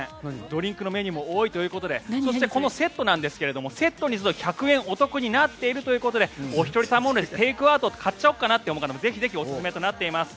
ドリンクのメニューも多いということでそして、このセットなんですがセットにすると１００円お得になっているということでお一人様でもテイクアウトで買っちゃおうかなという方にもぜひぜひおすすめとなっております。